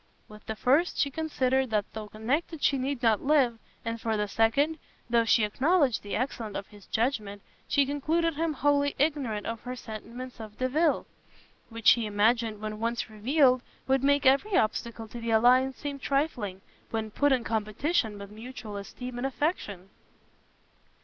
With the first she considered that though connected she need not live, and for the second, though she acknowledged the excellence of his judgment, she concluded him wholly ignorant of her sentiments of Delvile; which she imagined, when once revealed, would make every obstacle to the alliance seem trifling, when put in competition with mutual esteem and affection.